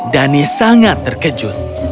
danis sangat terkejut